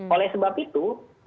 oleh sebab itu